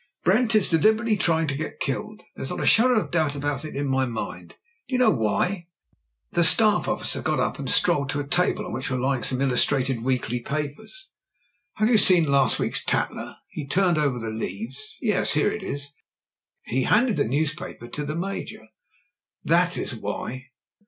"Brent is deliberately trying to get killed. There is not a shadow of doubt about it in my mind. Do you know why ?" The Staff officer got up and strolled to a table on which were lying some illustrated weekly papers. 126 MEN, WOMEN AND GUNS "Have you last week's Toiler?'* He turned over the leaves. "Yes — ^here it is." He handed the newspaper to the Major. "That is why."